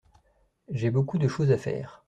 J’ai beaucoup de choses à faire.